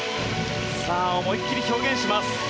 思い切り表現します。